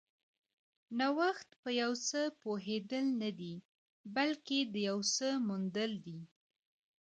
نوښت په یو څه پوهېدل نه دي، بلکې د یو څه موندل دي.